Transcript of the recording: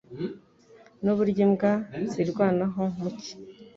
Nuburyo imbwa zirwanaho mu cyi